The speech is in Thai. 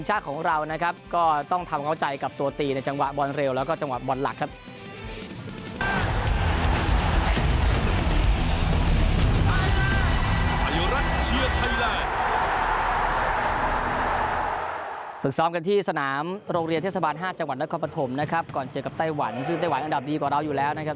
ซึ่งเต้นหวัยอันดับดีกว่าเราอยู่แล้วนะครับ